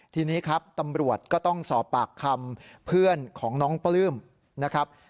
ทีนี้ครับตำรวจก็ต้องสอบปากคำเพื่อนของน้องปลื้มนะครับ